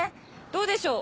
どうでしょう